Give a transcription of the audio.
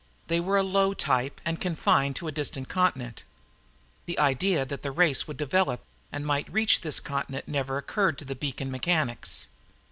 They were a low type and confined to a distant continent. The idea that the race would develop and might reach this continent never occurred to the beacon mechanics.